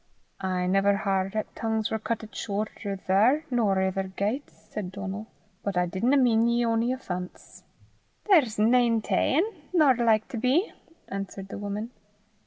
"I never h'ard 'at tongues war cuttit shorter there nor ither gaits," said Donal; "but I didna mean ye ony offence." "There's nane ta'en, nor like to be," answered the woman.